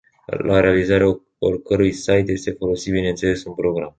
La realizarea oricărui sait este folosit bineînțeles un program.